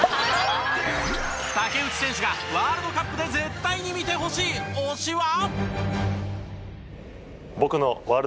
竹内選手がワールドカップで絶対に見てほしい推しは？